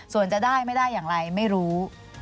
ส่วนจะได้ไม่ได้อย่างไรไม่รู้